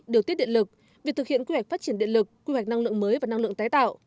điều tiết điện lực việc thực hiện quy hoạch phát triển điện lực quy hoạch năng lượng mới và năng lượng tái tạo